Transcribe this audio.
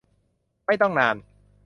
ไม่ต้องนาน